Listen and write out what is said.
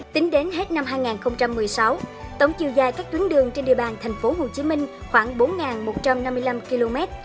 tính đến hết năm hai nghìn một mươi sáu tổng chiều dài các tuyến đường trên địa bàn thành phố hồ chí minh khoảng bốn một trăm năm mươi năm km